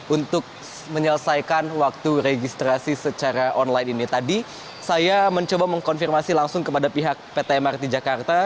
untuk menyelesaikan waktu registrasi secara online ini tadi saya mencoba mengkonfirmasi langsung kepada pihak pt mrt jakarta